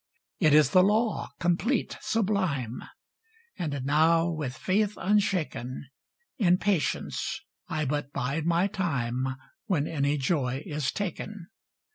It is the Law, complete, sublime; And now with Faith unshaken, In patience I but bide my time, When any joy is taken.